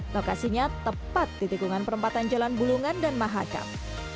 lokasinya tepat di tikungan perempatan jalan bulungan dan mahakam